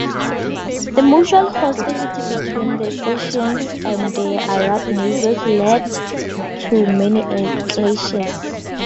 The mutual hostility between the Circassians and their Arab neighbors led to many clashes.